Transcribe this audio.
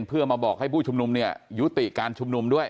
เพื่อมาบอกให้ผู้ชุมนุมเนี่ยยุติการชุมนุมด้วย